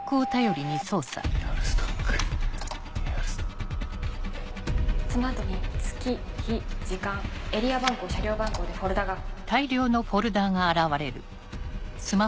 その後に月日時間エリア番号車両番号でフォルダがあぁ！